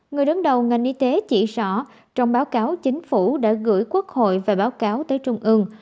người đứng đầu ngành y tế chỉ rõ trong báo cáo chính phủ đã gửi quốc hội và báo cáo tới trung ương